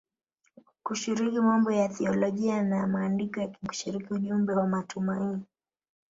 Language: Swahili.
kushiriki mambo ya thiolojia na ya maandiko ya kidini na kushiriki ujumbe wa matumaini.